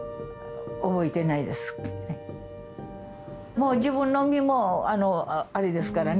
もう自分の身もあのあれですからね。